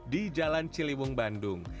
di jalan ciliwung bandung